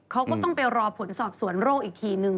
เขาก็ต้องไปรอผลสอบสวนโรคอีกทีนึง